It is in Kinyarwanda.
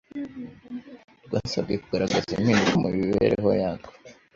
rwasabwe kugaragaza impinduka mu mibereho yarwo,